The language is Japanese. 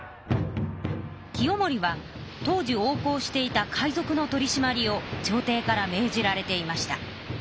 清盛は当時横行していた海ぞくの取りしまりをちょうていから命じられていました。